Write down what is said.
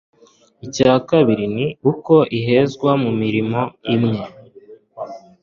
Icya kabiri ni uko ihezwa mu mirimo imwe